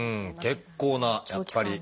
結構なやっぱり。